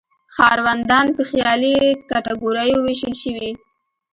ښاروندان په خیالي کټګوریو ویشل شوي.